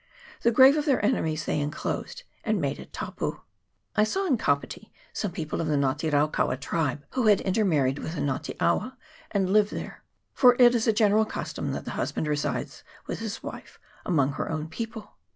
The grave of their enemies they enclosed, and made it " tapu." I saw in Kapiti some people of the Nga te rau kaua tribe, who had intermarried with the Nga te awa, and lived there ; for it is a general custom that the husband resides with his wife among her own people.